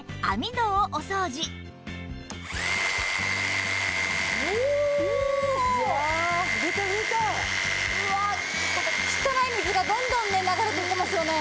汚い水がどんどん流れていってますよね。